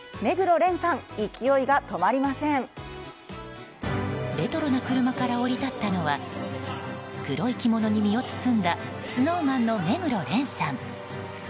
レトロな車から降り立ったのは黒い着物に身を包んだＳｎｏｗＭａｎの目黒蓮さん。